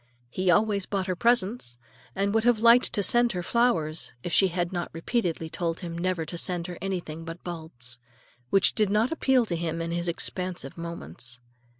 He always bought her presents, and would have liked to send her flowers if she had not repeatedly told him never to send her anything but bulbs,—which did not appeal to him in his expansive moments.